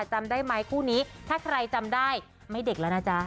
จำได้ไหมคู่นี้ถ้าใครจำได้ไม่เด็กแล้วนะจ๊ะ